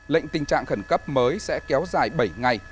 lệnh tình trạng khẩn cấp mới sẽ kéo dài bảy ngày